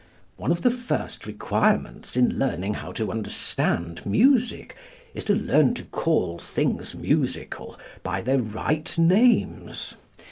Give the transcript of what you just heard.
One of the first requirements in learning how to understand music is to learn to call things musical by their right names.